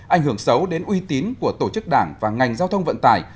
ảnh hưởng xấu đến uy tín của tổ chức đảng và ngành giao thông vận tài